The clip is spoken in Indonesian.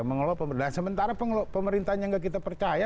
nah sementara pemerintahnya gak kita percaya